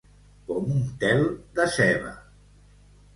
Com un tel de ceba.